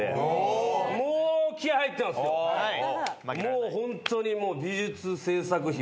もうホントにもう。